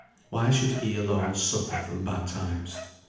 Why should he alone suffer from bad times?